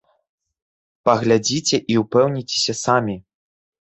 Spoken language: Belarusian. Паглядзіце і ўпэўніцеся самі.